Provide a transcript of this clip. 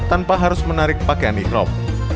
tanpa harus menarik pakaian ikhrop